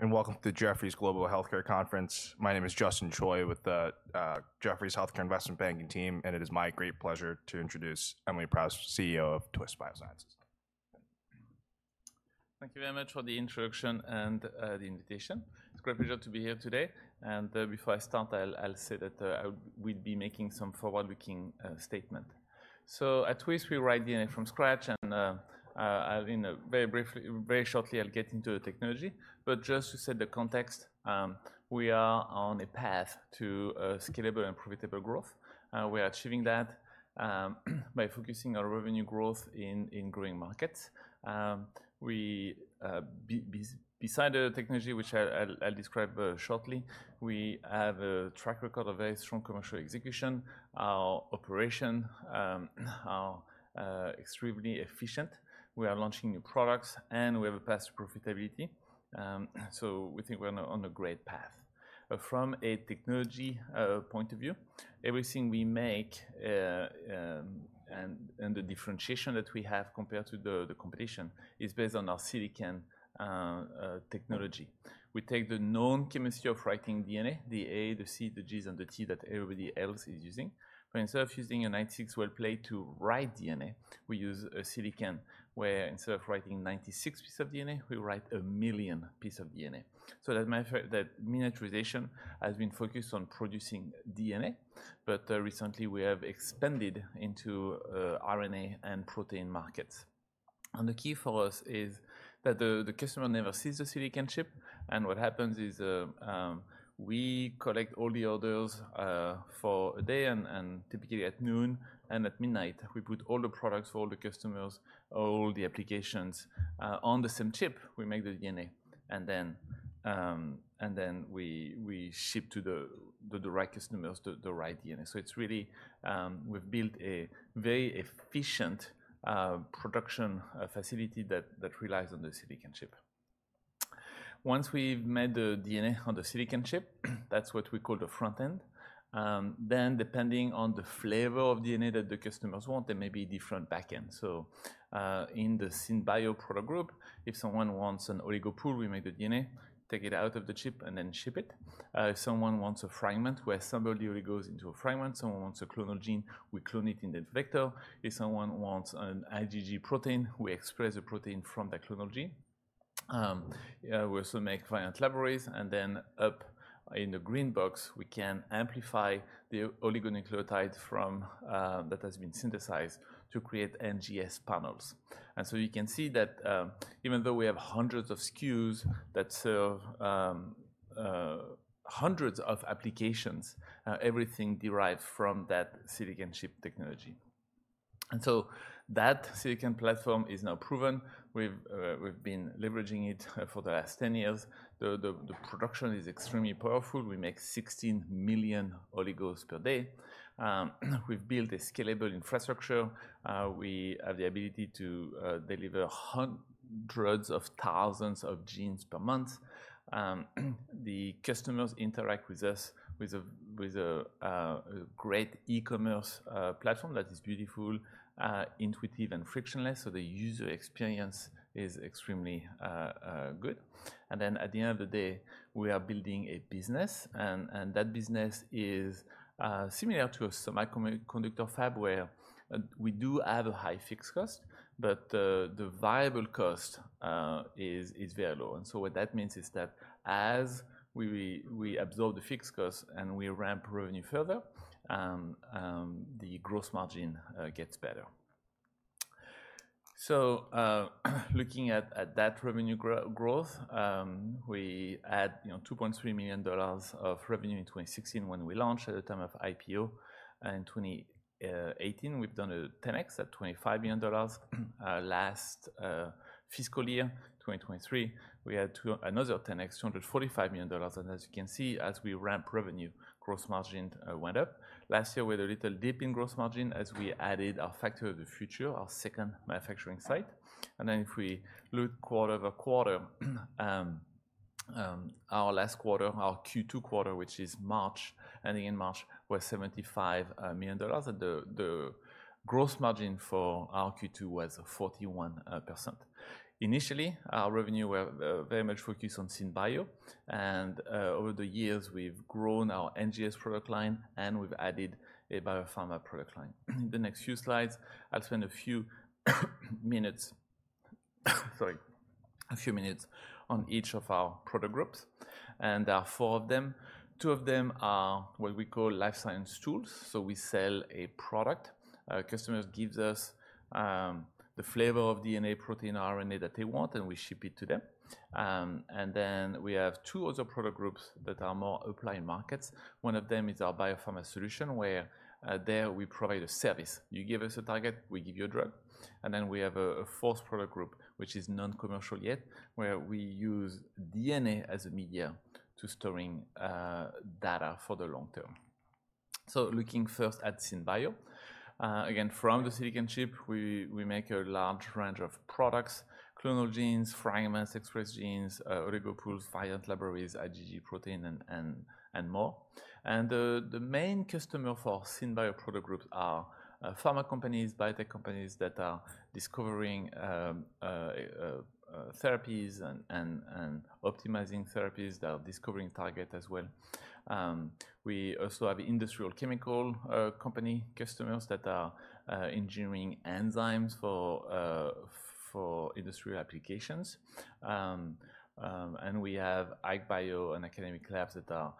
Welcome to the Jefferies Global Healthcare Conference. My name is Justin Choi with the Jefferies Healthcare Investment Banking team, and it is my great pleasure to introduce Emily Leproust, CEO of Twist Bioscience. Thank you very much for the introduction and the invitation. It's a great pleasure to be here today. Before I start, I'll say that we'll be making some forward-looking statement. So at Twist, we write DNA from scratch and I'll very shortly get into the technology. But just to set the context, we are on a path to scalable and profitable growth. We are achieving that by focusing our revenue growth in growing markets. We beside the technology, which I'll describe shortly, have a track record of very strong commercial execution. Our operation are extremely efficient. We are launching new products, and we have a path to profitability. So we think we're on a great path. But from a technology point of view, everything we make, and the differentiation that we have compared to the competition is based on our silicon technology. We take the known chemistry of writing DNA, the A, the C, the Gs, and the T that everybody else is using. But instead of using a 96-well plate to write DNA, we use a silicon, where instead of writing 96 pieces of DNA, we write 1 million pieces of DNA. So as a matter of fact, that miniaturization has been focused on producing DNA, but recently we have expanded into RNA and protein markets. And the key for us is that the customer never sees the silicon chip, and what happens is, we collect all the orders for a day, and typically at noon and at midnight, we put all the products for all the customers, all the applications, on the same chip. We make the DNA, and then we ship to the right customers, the right DNA. So it's really, we've built a very efficient production facility that relies on the silicon chip. Once we've made the DNA on the silicon chip, that's what we call the front end. Then depending on the flavor of DNA that the customers want, there may be different back ends. So, in the SynBio product group, if someone wants an Oligo Pool, we make the DNA, take it out of the chip, and then ship it. If someone wants a fragment, we assemble the Oligos into a fragment. If someone wants a Clonal Gene, we clone it in the vector. If someone wants an IgG protein, we express the protein from that Clonal Gene. We also make Variant Libraries, and then up in the green box, we can amplify the oligonucleotide from that has been synthesized to create NGS panels. And so you can see that, even though we have hundreds of SKUs that serve hundreds of applications, everything derives from that silicon chip technology. And so that silicon platform is now proven. We've, we've been leveraging it for the last 10 years. The production is extremely powerful. We make 16 million oligos per day. We've built a scalable infrastructure. We have the ability to deliver hundreds of thousands of genes per month. The customers interact with us with a great e-commerce platform that is beautiful, intuitive, and frictionless, so the user experience is extremely good. And then at the end of the day, we are building a business, and that business is similar to a semiconductor fab, where we do have a high fixed cost, but the variable cost is very low. And so what that means is that as we absorb the fixed cost and we ramp revenue further, the gross margin gets better. So, looking at that revenue growth, we had, you know, $2.3 million of revenue in 2016 when we launched at the time of IPO. In 2018, we've done a 10x at $25 million. Last fiscal year, 2023, we had another 10x, $245 million, and as you can see, as we ramp revenue, gross margin went up. Last year, with a little dip in gross margin as we added our Factory of the Future, our second manufacturing site. And then if we look quarter-over-quarter, our last quarter, our Q2 quarter, which is March, ending in March, was $75 million, and the gross margin for our Q2 was 41%. Initially, our revenue were very much focused on SynBio, and over the years, we've grown our NGS product line, and we've added a Biopharma product line. The next few slides, I'll spend a few minutes, sorry, a few minutes on each of our product groups, and there are four of them. Two of them are what we call life science tools, so we sell a product. Customers gives us the flavor of DNA, protein, RNA that they want, and we ship it to them. And then we have two other product groups that are more applied markets. One of them is our Biopharma Solutions, where there we provide a service. You give us a target, we give you a drug. And then we have a fourth product group, which is non-commercial yet, where we use DNA as a media to storing data for the long term. So looking first at SynBio, again, from the silicon chip, we make a large range of products: Clonal Genes, Fragments, Express Genes, Oligo Pools, Variant Libraries, IgG protein, and more. And the main customer for SynBio product groups are pharma companies, biotech companies that are discovering therapies and optimizing therapies that are discovering target as well. We also have industrial chemical company customers that are engineering enzymes for industrial applications. And we have AgBio and academic labs that are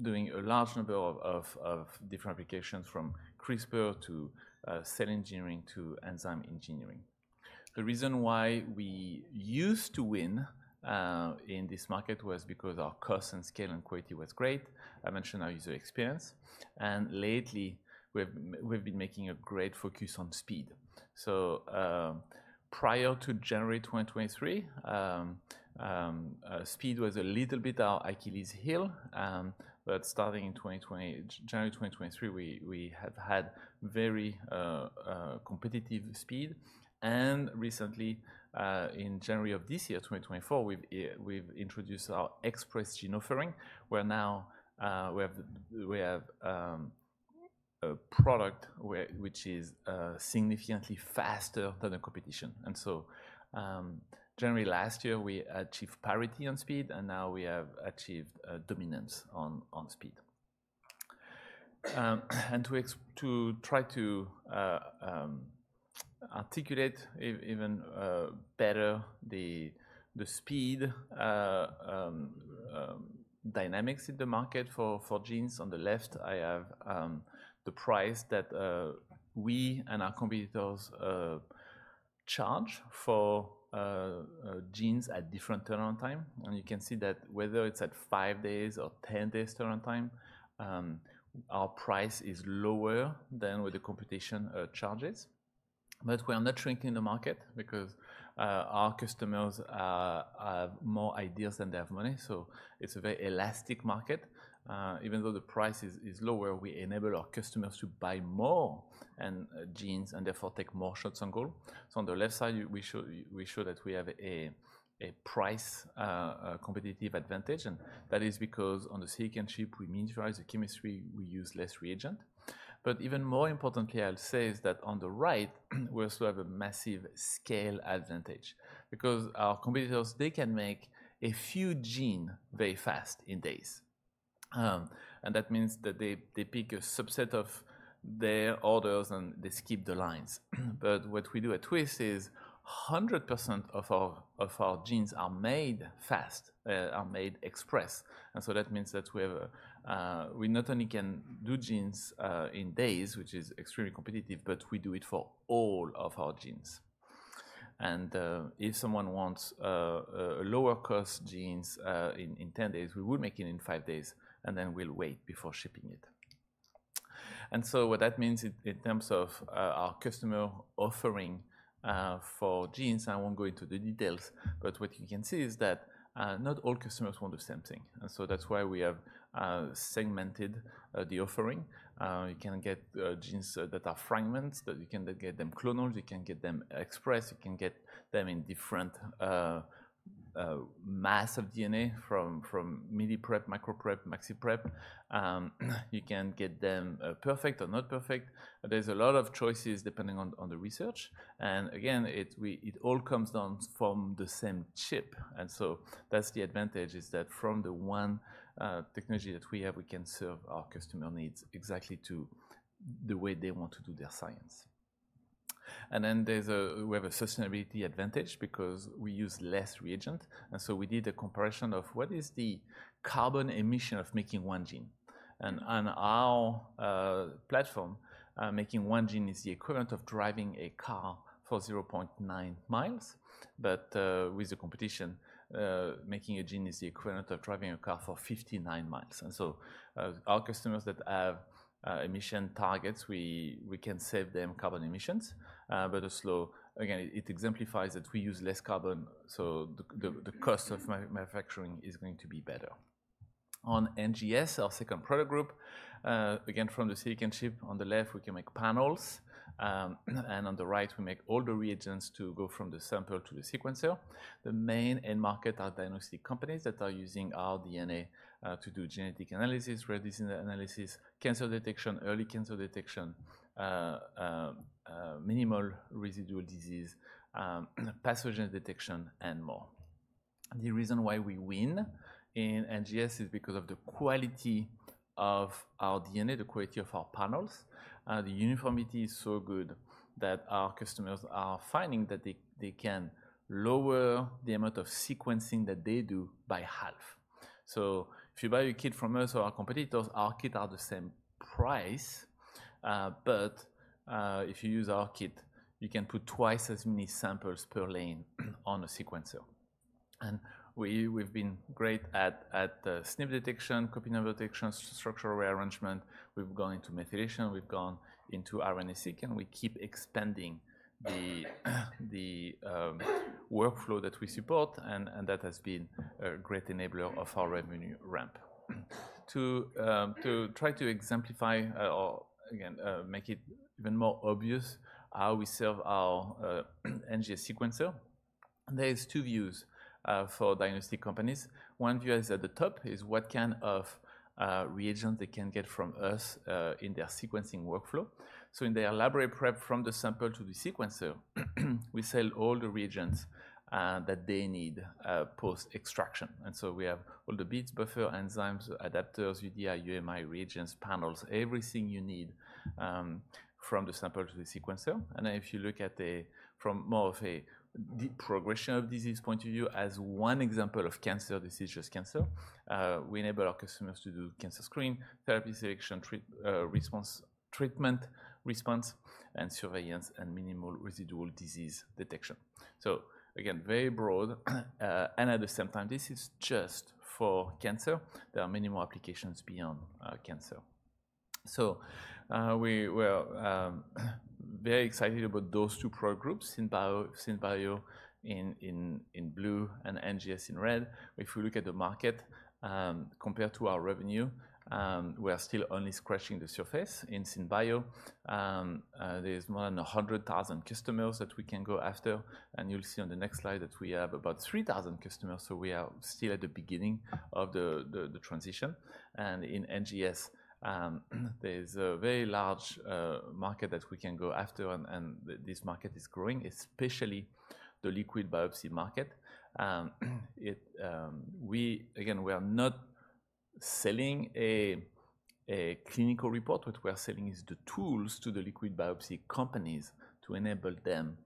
doing a large number of different applications, from CRISPR to cell engineering to enzyme engineering. The reason why we used to win in this market was because our cost and scale and quality was great. I mentioned our user experience, and lately, we've been making a great focus on speed. So, prior to January 2023, speed was a little bit our Achilles heel. But starting in January 2023, we have had very competitive speed. And recently, in January of this year, 2024, we've introduced our Express Genes offering, where now we have a product which is significantly faster than the competition. And so, January last year, we achieved parity on speed, and now we have achieved dominance on speed. To try to articulate even better the speed dynamics in the market for genes, on the left, I have the price that we and our competitors charge for genes at different turnaround time. You can see that whether it's at five days or 10 days turnaround time, our price is lower than what the competition charges. But we are not shrinking the market because our customers have more ideas than they have money, so it's a very elastic market. Even though the price is lower, we enable our customers to buy more genes, and therefore take more shots on goal. So on the left side, we show that we have a price-competitive advantage, and that is because on the silicon chip, we miniaturize the chemistry, we use less reagent. But even more importantly, I'll say, is that on the right, we also have a massive scale advantage because our competitors, they can make a few gene very fast, in days. And that means that they pick a subset of their orders, and they skip the lines. But what we do at Twist is 100% of our genes are made fast, are made express. And so that means that we have we not only can do genes in days, which is extremely competitive, but we do it for all of our genes. And if someone wants a lower-cost genes in 10 days, we will make it in five days, and then we'll wait before shipping it. And so what that means in terms of our customer offering for genes, I won't go into the details, but what you can see is that not all customers want the same thing. And so that's why we have segmented the offering. You can get genes that are fragments, that you can then get them clonals, you can get them expressed, you can get them in different mass of DNA from miniprep, midiprep, maxiprep. You can get them perfect or not perfect. There's a lot of choices depending on the research. And again, it all comes down from the same chip, and so that's the advantage, is that from the one technology that we have, we can serve our customer needs exactly to the way they want to do their science. And then we have a sustainability advantage because we use less reagent, and so we did a comparison of what is the carbon emission of making one gene. And on our platform, making one gene is the equivalent of driving a car for 0.9 miles. But with the competition, making a gene is the equivalent of driving a car for 59 miles. And so, our customers that have emission targets, we can save them carbon emissions. But also, again, it exemplifies that we use less carbon, so the cost of manufacturing is going to be better. On NGS, our second product group, again, from the silicon chip on the left, we can make panels. And on the right, we make all the reagents to go from the sample to the sequencer. The main end market are diagnostic companies that are using our DNA to do genetic analysis, rare disease analysis, cancer detection, early cancer detection, minimal residual disease, pathogen detection, and more. The reason why we win in NGS is because of the quality of our DNA, the quality of our panels. The uniformity is so good that our customers are finding that they can lower the amount of sequencing that they do by half. So if you buy a kit from us or our competitors, our kit are the same price, but if you use our kit, you can put twice as many samples per lane on a sequencer, and we, we've been great at SNP detection, copy number detection, structural rearrangement. We've gone into methylation, we've gone into RNA-Seq, and we keep expanding the workflow that we support, and that has been a great enabler of our revenue ramp. To try to exemplify, or again, make it even more obvious how we serve our NGS sequencer, there are two views for diagnostic companies. One view is at the top, is what kind of reagent they can get from us in their sequencing workflow. So in their library prep from the sample to the sequencer, we sell all the reagents that they need post-extraction. And so we have all the beads, buffer, enzymes, adapters, UDI, UMI reagents, panels, everything you need from the sample to the sequencer. And if you look at a from more of a progression of disease point of view, as one example of cancer, this is just cancer. We enable our customers to do cancer screening, therapy selection, treat response, treatment response, and surveillance and minimal residual disease detection. So again, very broad, and at the same time, this is just for cancer. There are many more applications beyond cancer. So we're very excited about those two product groups, SynBio in blue and NGS in red. If we look at the market, compared to our revenue, we are still only scratching the surface. In SynBio, there is more than 100,000 customers that we can go after, and you'll see on the next slide that we have about 3,000 customers, so we are still at the beginning of the transition. In NGS, there's a very large market that we can go after, and this market is growing, especially the liquid biopsy market. Again, we are not selling a clinical report. What we are selling is the tools to the liquid biopsy companies to enable them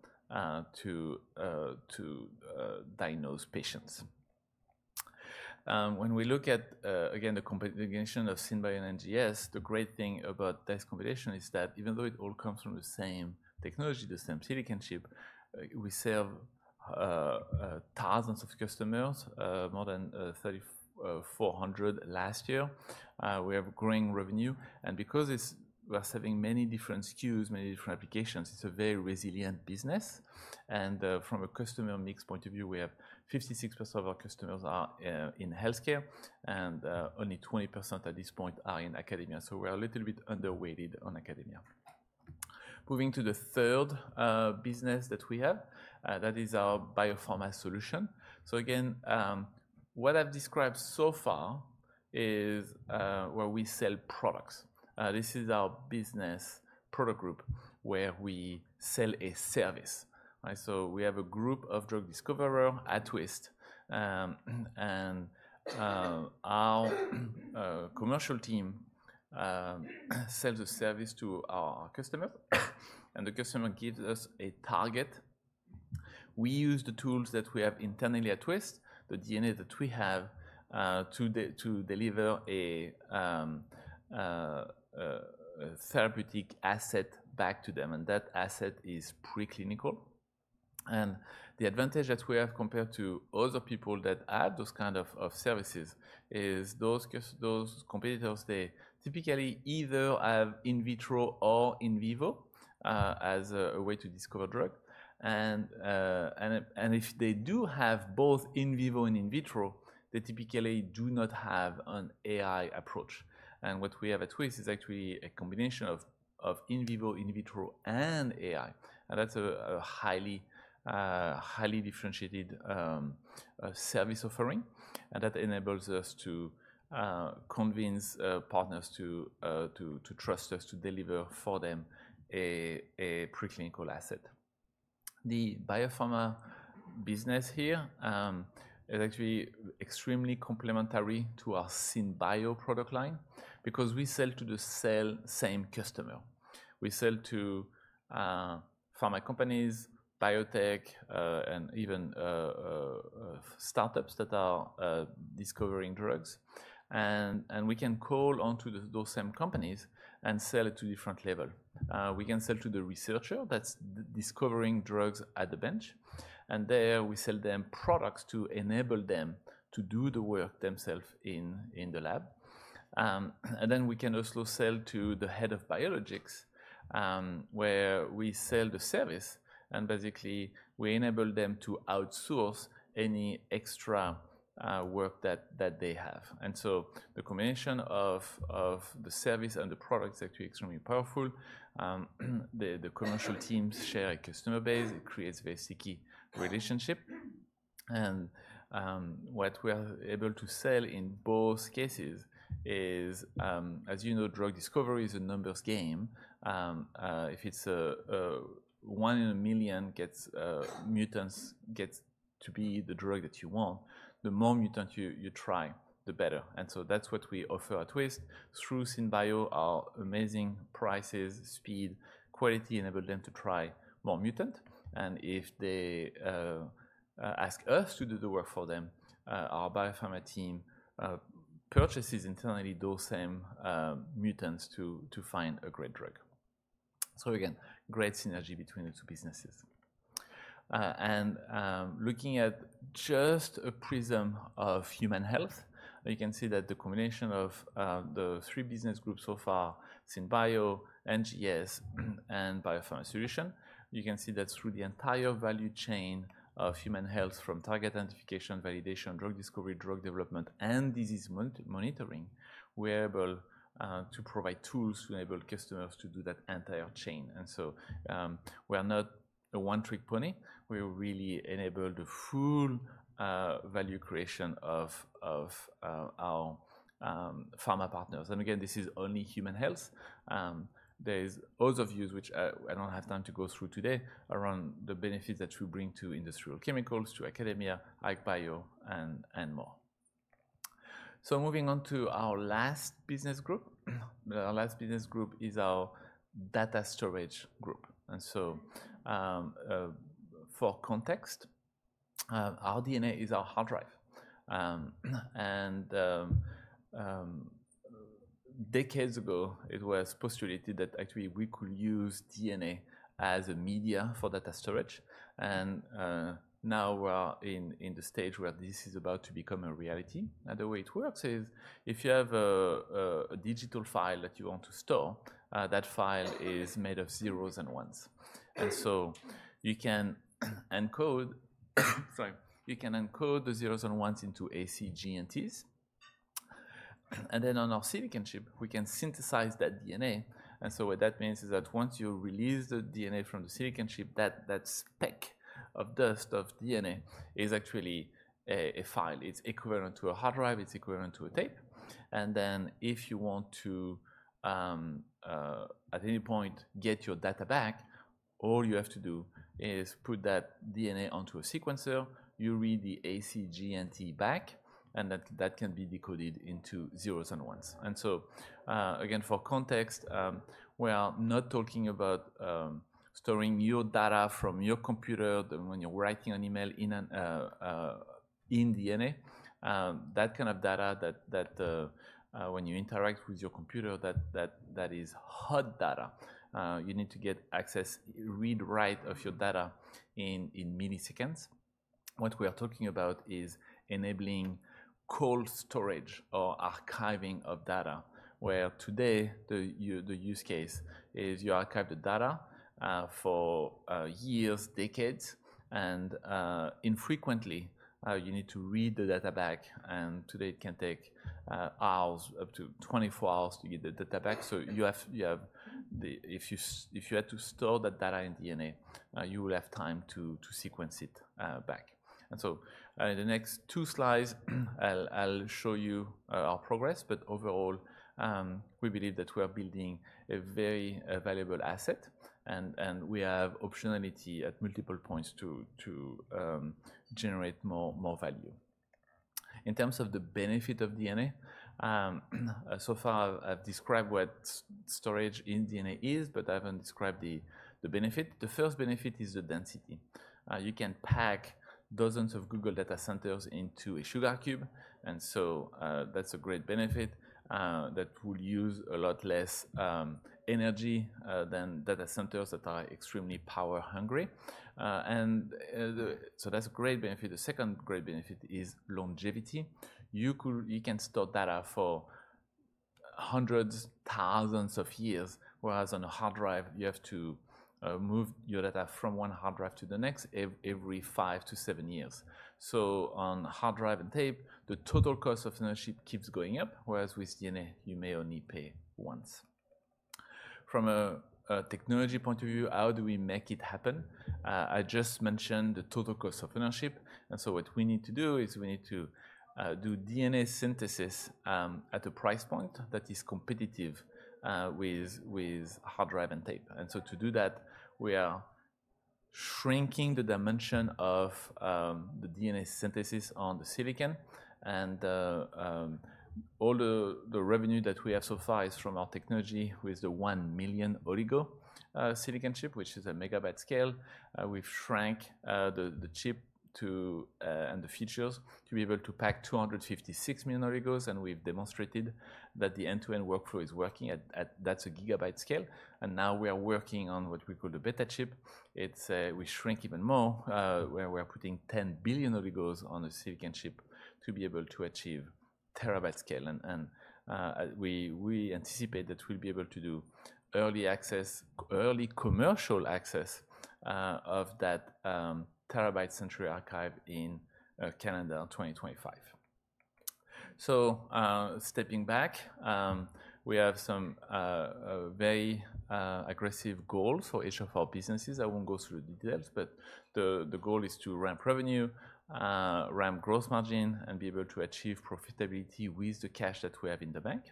to diagnose patients. When we look at again, the combination of SynBio and NGS, the great thing about this combination is that even though it all comes from the same technology, the same silicon chip, we serve thousands of customers, more than 3,400 last year. We have growing revenue, and because we are serving many different SKUs, many different applications, it's a very resilient business. From a customer mix point of view, we have 56% of our customers are in healthcare, and only 20% at this point are in academia. So we're a little bit underweighted on academia. Moving to the third business that we have, that is our Biopharma Solutions. So again, what I've described so far is where we sell products. This is our business product group, where we sell a service, right? So we have a group of drug discoverer at Twist. And our commercial team sells a service to our customer, and the customer gives us a target. We use the tools that we have internally at Twist, the DNA that we have, to deliver a therapeutic asset back to them, and that asset is pre-clinical. And the advantage that we have compared to other people that have those kind of services, is those competitors, they typically either have in vitro or in vivo as a way to discover drug. And if they do have both in vivo and in vitro, they typically do not have an AI approach. And what we have at Twist is actually a combination of in vivo, in vitro, and AI. And that's a highly differentiated service offering, and that enables us to convince partners to trust us to deliver for them a preclinical asset. The Biopharma business here is actually extremely complementary to our SynBio product line because we sell to the same customer. We sell to pharma companies, biotech, and even startups that are discovering drugs. And we can call onto those same companies and sell at a different level. We can sell to the researcher that's discovering drugs at the bench, and there we sell them products to enable them to do the work themselves in the lab. Then we can also sell to the head of biologics, where we sell the service, and basically, we enable them to outsource any extra work that they have. So the combination of the service and the product is actually extremely powerful. The commercial teams share a customer base. It creates very sticky relationship. What we are able to sell in both cases is, as you know, drug discovery is a numbers game. If it's a one in a million mutant gets to be the drug that you want, the more mutant you try, the better. So that's what we offer at Twist. Through SynBio, our amazing prices, speed, quality, enable them to try more mutant. If they ask us to do the work for them, our Biopharma team purchases internally those same mutants to find a great drug. So again, great synergy between the two businesses. Looking at just a prism of human health, you can see that the combination of the three business groups so far, SynBio, NGS, and biopharmaceutical solution, you can see that through the entire value chain of human health, from target identification, validation, drug discovery, drug development, and disease monitoring, we're able to provide tools to enable customers to do that entire chain. So we are not a one-trick pony. We really enable the full value creation of our pharma partners. And again, this is only human health. There is other views, which, I don't have time to go through today, around the benefits that we bring to industrial chemicals, to academia, AgBio and more. So moving on to our last business group. Our last business group is our data storage group. And so, for context, our DNA is our hard drive. And decades ago, it was postulated that actually we could use DNA as a media for data storage, and now we are in the stage where this is about to become a reality. Now, the way it works is, if you have a digital file that you want to store, that file is made of zeros and ones. And so you can encode—Sorry. You can encode the zeros and ones into A, C, G, and Ts. Then on our silicon chip, we can synthesize that DNA. So what that means is that once you release the DNA from the silicon chip, that speck of dust of DNA is actually a file. It's equivalent to a hard drive. It's equivalent to a tape. And then if you want to, at any point, get your data back, all you have to do is put that DNA onto a sequencer. You read the A, C, G, and T back, and that can be decoded into zeros and ones. And so, again, for context, we are not talking about storing your data from your computer when you're writing an email in DNA. That kind of data that when you interact with your computer, that is hot data. You need to get access, read, write of your data in milliseconds. What we are talking about is enabling cold storage or archiving of data. Where today, the use case is you archive the data for years, decades, and infrequently you need to read the data back, and today it can take hours, up to 24 hours to get the data back. So you have the... If you had to store that data in DNA, you will have time to sequence it back. And so, in the next two slides, I'll show you our progress, but overall, we believe that we are building a very valuable asset, and we have optionality at multiple points to generate more value. In terms of the benefit of DNA, so far I've described what storage in DNA is, but I haven't described the benefit. The first benefit is the density. You can pack dozens of Google data centers into a sugar cube, and so, that's a great benefit that will use a lot less energy than data centers that are extremely power-hungry. So that's a great benefit. The second great benefit is longevity. You can store data for hundreds, thousands of years, whereas on a hard drive, you have to move your data from one hard drive to the next every five to seven years. So on hard drive and tape, the total cost of ownership keeps going up, whereas with DNA, you may only pay once. From a technology point of view, how do we make it happen? I just mentioned the total cost of ownership, and so what we need to do is we need to do DNA synthesis at a price point that is competitive with hard drive and tape. And so to do that, we are shrinking the dimension of the DNA synthesis on the silicon, and all the revenue that we have so far is from our technology with the 1 million oligo silicon chip, which is a megabyte scale. We've shrank the chip to and the features to be able to pack 256 million oligos, and we've demonstrated that the end-to-end workflow is working at. That's a gigabyte scale. And now we are working on what we call the beta chip. It's we shrink even more where we are putting 10 billion oligos on a silicon chip to be able to achieve terabyte scale. And we anticipate that we'll be able to do early access, early commercial access of that terabyte Century Archive in calendar 2025. So stepping back we have some very aggressive goals for each of our businesses. I won't go through the details, but the goal is to ramp revenue, ramp gross margin, and be able to achieve profitability with the cash that we have in the bank.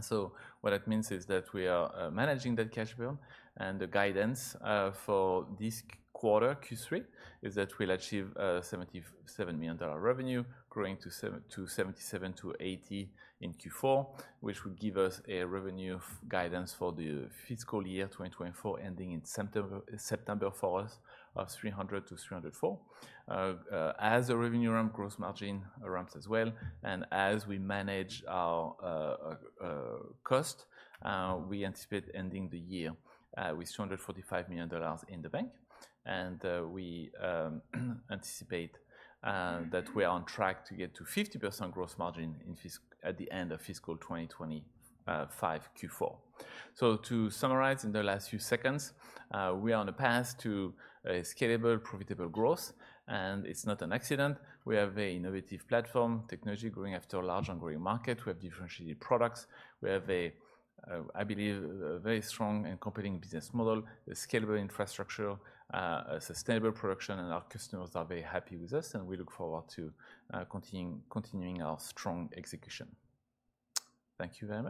So what that means is that we are managing that cash well, and the guidance for this quarter, Q3, is that we'll achieve $77 million dollar revenue, growing to $77 million-$80 million in Q4, which would give us a revenue guidance for the fiscal year 2024, ending in September, September for us, of $300 million-$304 million. As the revenue ramp, gross margin ramps as well, and as we manage our cost, we anticipate ending the year with $245 million dollars in the bank. We anticipate that we are on track to get to 50% gross margin in fiscal at the end of fiscal 2025, Q4. So to summarize in the last few seconds, we are on a path to a scalable, profitable growth, and it's not an accident. We have an innovative platform, technology growing after a large and growing market. We have differentiated products. We have a, I believe, a very strong and competing business model, a scalable infrastructure, a sustainable production, and our customers are very happy with us, and we look forward to continuing our strong execution. Thank you very much.